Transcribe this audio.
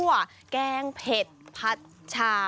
ฮั่วกางเผ็ดผัดฉา